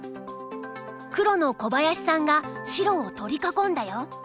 黒の小林さんが白を取り囲んだよ。